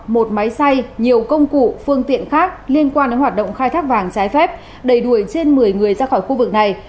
một máy xay nhiều công cụ phương tiện khác liên quan đến hoạt động khai thác vàng trái phép đẩy đuổi trên một mươi người ra khỏi khu vực này